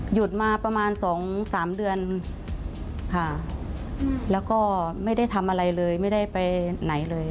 หยุดมาประมาณสองสามเดือนค่ะแล้วก็ไม่ได้ทำอะไรเลยไม่ได้ไปไหนเลย